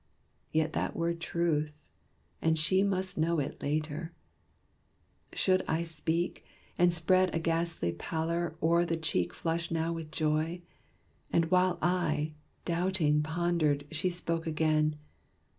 Yet that were truth, And she must know it later. Should I speak, And spread a ghastly pallor o'er the cheek Flushed now with joy? And while I, doubting, pondered, She spoke again.